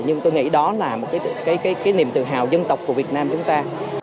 nhưng tôi nghĩ đó là một cái niềm tự hào dân tộc của việt nam chúng ta